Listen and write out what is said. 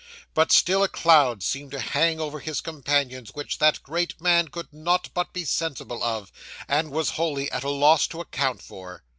But still a cloud seemed to hang over his companions which that great man could not but be sensible of, and was wholly at a loss to account for.